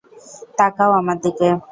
তাকাও আমার দিকে।